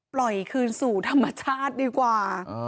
ไปคืนสู่ธรรมชาติดีกว่า